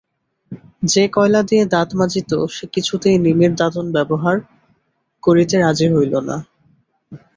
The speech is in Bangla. যে কয়লা দিয়ে দাঁত মাজিত সে কিছুতেই নিমের দাতন ব্যবহার করিতে রাজি হইল না।